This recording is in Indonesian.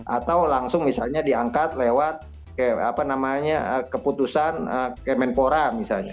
atau langsung misalnya diangkat lewat keputusan kemenpora misalnya